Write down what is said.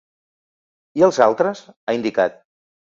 I els altres?, ha indicat.